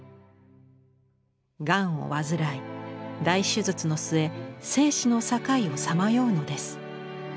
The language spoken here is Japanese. がんを患い大手術の末生死の境をさまようのです。